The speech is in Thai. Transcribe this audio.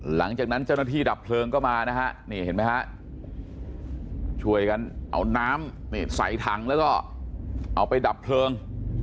หลังจากนั้นเจ้าหน้าที่ดับเพลิงก็มานะฮะนี่เห็นไหมฮะช่วยกันเอาน้ำนี่ใส่ถังแล้วก็เอาไปดับเพลิง